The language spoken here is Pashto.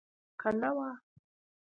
که نه وه.